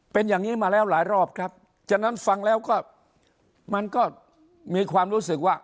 เป็นอย่างนี้มาแล้วหลายรอบครับฉะนั้นฟังแล้วก็มันก็มีความรู้สึกว่า